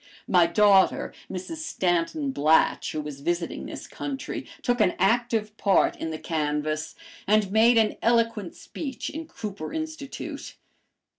My daughter, Mrs. Stanton Blatch, who was visiting this country, took an active part in the canvass, and made an eloquent speech in Cooper Institute.